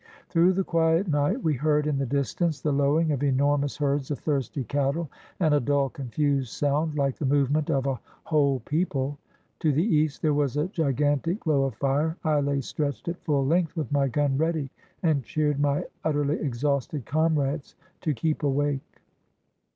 Through the quiet night we heard in the distance the lowing of enormous herds of thirsty cattle and a dull con fused sound like the movement of a whole people. To the east there was a gigantic glow of fire. I lay stretched at full length with my gun ready, and cheered my ut terly exhausted comrades to keep awake.